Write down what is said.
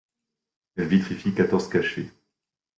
Elle vitrifie quatorze cachets.